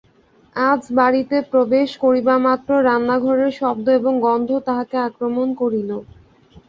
আজ বাড়িতে প্রবেশ করিবামাত্র রান্নাঘরের শব্দ এবং গন্ধ তাহাকে আক্রমণ করিল।